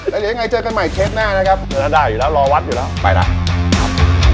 แล้วยังไงเจอกันใหม่เช็คหน้านะครับได้อยู่แล้วรออยู่แล้วไปได้